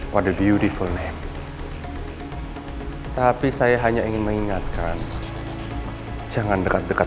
pada beo defulneck tapi saya hanya ingin mengingatkan jangan dekat dekat